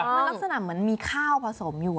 มันลักษณะเหมือนมีข้าวผสมอยู่